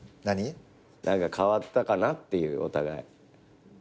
何か変わったかなってお互い。